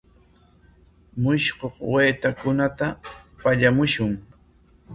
Mushkuq waytakunata pallamushun.